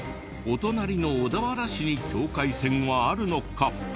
お隣の小田原市に境界線はあるのか？